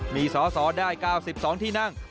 มีสอสอได้๙๒ที่นั่ง